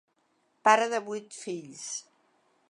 Pare de vuit fills.